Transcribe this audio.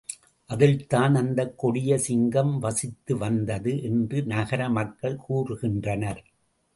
அதில்தான் அந்தக் கொடிய சிங்கம் வசித்து வந்தது என்று நகர மக்கள் கூறுகின்றனர்.